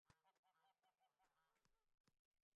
The fences took six years to build.